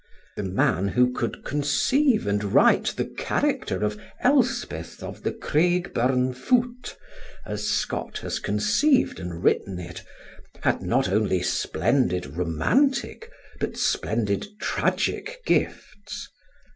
The man who could conceive and write the character of Elspeth of the Craigburnfoot, as Scott has conceived and written it, had not only splendid romantic, but splendid tragic gifts.